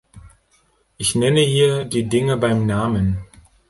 Ich nenne hier die Dinge beim Namen.